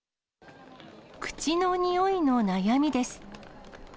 口のにおいの悩みです。